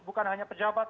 bukan hanya pejabat